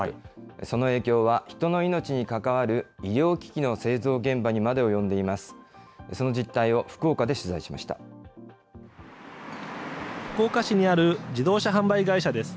その影響は、人の命に関わる医療機器の製造現場にまで及んでいます。